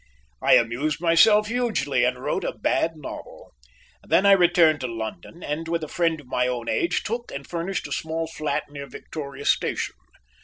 I amused myself hugely and wrote a bad novel. Then I returned to London and, with a friend of my own age, took and furnished a small flat near Victoria Station.